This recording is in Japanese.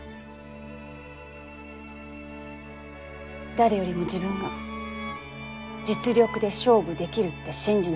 誰よりも自分が実力で勝負できるって信じなさい。